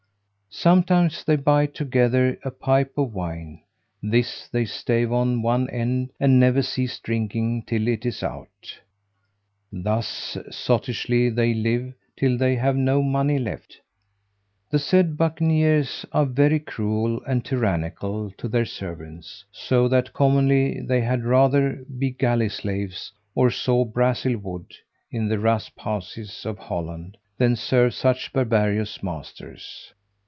Sometimes they buy together a pipe of wine; this they stave at one end, and never cease drinking till it is out. Thus sottishly they live till they have no money left. The said bucaniers are very cruel and tyrannical to their servants, so that commonly they had rather be galley slaves, or saw Brazil wood in the rasphouses of Holland, than serve such barbarous masters.